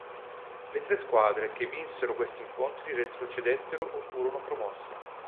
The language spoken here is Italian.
Le tre squadre che vinsero questi incontri retrocedettero o furono promosse.